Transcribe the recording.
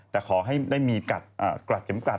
แต่ขอให้ได้มีกราดเข็มกัด